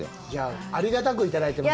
ありがたくいただいてます。